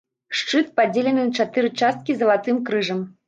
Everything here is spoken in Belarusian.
Шчыт, падзелены на чатыры часткі залатым крыжам.